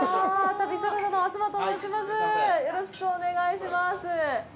よろしくお願いします。